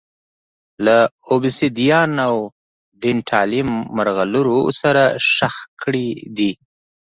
له اوبسیدیان او ډینټالیم مرغلرو سره ښخ کړي دي